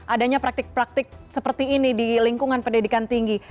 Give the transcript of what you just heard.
adanya praktik praktik seperti ini di lingkungan pendidikan tinggi